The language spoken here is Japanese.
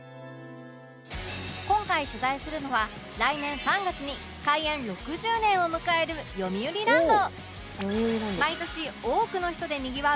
今回取材するのは来年３月に開園６０年を迎えるよみうりランド